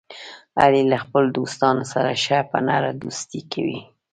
علي له خپلو دوستانو سره ښه په نره دوستي کوي.